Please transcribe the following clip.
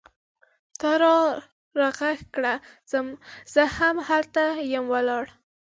ته را ږغ کړه! زه هم هلته یم ولاړه